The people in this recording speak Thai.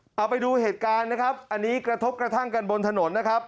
เอาไปดูเหตุการณ์นะครับอันนี้กระทบกระทั่งกันบนถนนนะครับ